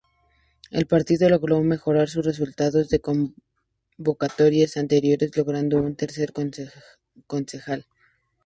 El partido logró mejorar sus resultados de convocatorias anteriores logrando un tercer concejal.